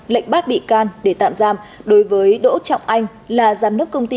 lệnh bắt bị can để tạm giam đối với đỗ trọng anh là giám đốc công ty